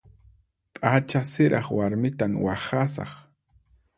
P'acha siraq warmitan waqhasaq.